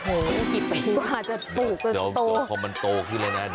โอ้โหแล้วก็จัดปลูกกว่าจะโตคุณปีนเองหรอ